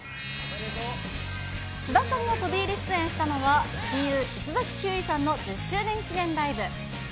菅田さんが飛び入り出演したのは、親友、石崎ひゅーいさんの１０周年記念ライブ。